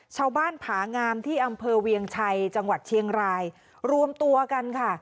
ชาวบ้านผางามที่อำเภอเวียงชัยจังหวัดเชียงรายรวมตัวกันค่ะ